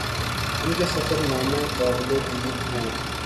ان کے سفر نامے قابل دید ہیں